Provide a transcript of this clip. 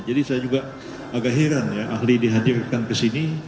jadi saya juga agak heran ya ahli dihadirkan kesini